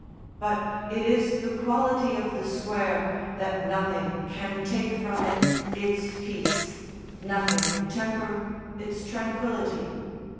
But it is the quality of the Square that nothing can take from it its peace, nothing temper its tranquillity.